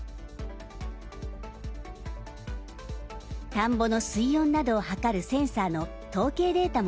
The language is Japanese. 田んぼの水温などを測るセンサーの統計データも共有されています。